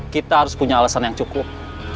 kita harus punya alasan yang cukup